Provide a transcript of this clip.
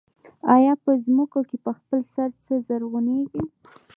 آیا په ځمکو کې په خپل سر څه زرغونېږي